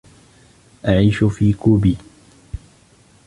.أعيش في كوبي